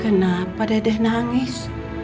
kenapa dedeh nangis